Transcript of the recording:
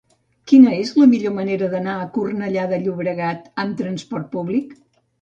Quina és la millor manera d'anar a Cornellà de Llobregat amb trasport públic?